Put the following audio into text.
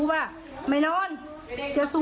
นักข่าวเราคุยกับป้าลินะครับป้าลิเนี่ยก็เล่าให้ฟังนะครับ